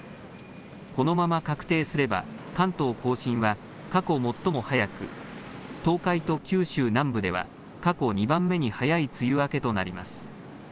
このまま確定すれば関東甲信は過去最も早く、東海と九州南部では過去２番目に早い梅雨明けとなります。